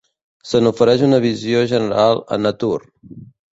Se n'ofereix una visió general a "Nature".